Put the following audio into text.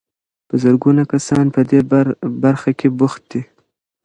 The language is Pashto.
په زرګونه کسان په دې برخه کې بوخت دي.